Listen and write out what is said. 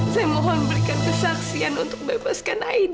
saya mohon berikan kesaksian untuk membebaskan aida